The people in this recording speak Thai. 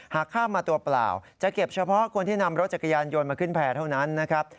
หากข้ามมาตัวเปล่าจะเก็บเฉพาะคนที่นำรถจักรยานยนต์มาขึ้นแพร่เท่านั้นนะครับ